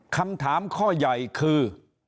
คำถามข้อใหญ่คือ